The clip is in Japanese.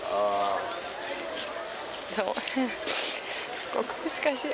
すごく難しい。